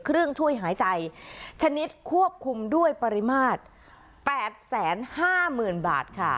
เครื่องช่วยหายใจชนิดควบคุมด้วยปริมาตร๘๕๐๐๐บาทค่ะ